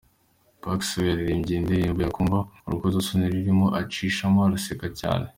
Pax we yaririmbye iyi ndirimbo yakumva urukozasoni rurimo agacishamo agaseka cyane.